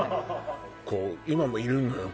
こう今もいるのよ